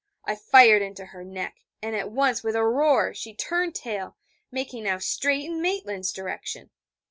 I fired into her neck, and at once, with a roar, she turned tail, making now straight in Maitland's direction.